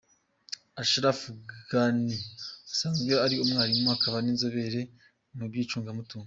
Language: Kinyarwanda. Ashraf Ganhi asanzwe ari umwarimu, akaba n’inzobere mu by’icungamutungo.